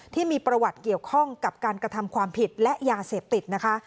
ที่มีประวัติเกี่ยวข้องกับการกระทำความผิดและยาเสพติดนะคะ